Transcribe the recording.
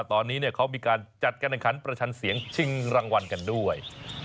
ตอนนี้เขามีการจัดการแข่งขันประชันเสียงชิงรางวัลกันด้วย